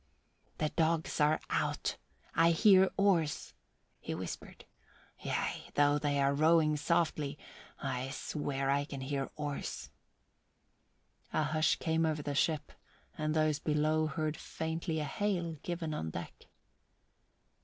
"The dogs are out; I hear oars," he whispered. "Yea, though they are rowing softly, I swear I can hear oars." A hush came over the ship and those below heard faintly a hail given on deck.